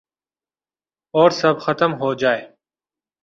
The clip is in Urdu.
اور سب ختم ہوجائے